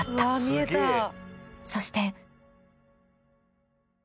［そして］